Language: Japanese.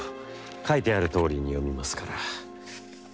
書いてあるとおりに読みますから」。